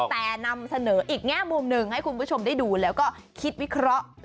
แต่นำเสนออีกแง่มุมหนึ่งให้คุณผู้ชมได้ดูแล้วก็คิดวิเคราะห์